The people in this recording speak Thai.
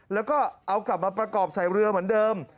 แล้วก็เอากลับมาประกอบใส่เรือเหมือนเดิม